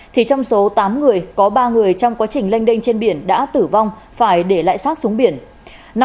thì trong số tám người có ba người trong quá trình lênh đênh trên biển đã tử vong phải để lại sát xuống biển